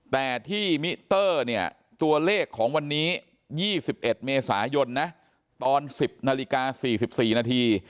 แต่ที่มิเตอร์เนี่ยตัวเลขของวันนี้๒๑เมษายนนะตอน๑๐นาฬิกา๔๔นาที